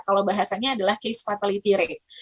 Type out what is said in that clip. kalau bahasanya adalah case fatality rate